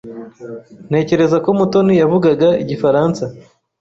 Ntekereza ko Mutoni yavugaga Igifaransa.